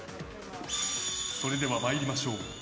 それでは参りましょう。